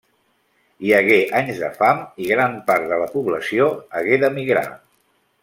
Hi hagué anys de fam i gran part de la població hagué d'emigrar.